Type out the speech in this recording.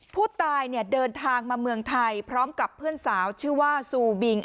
ผู้ตายเนี่ยเดินทางมาเมืองไทยพร้อมกับเพื่อนสาวชื่อว่าซูบิง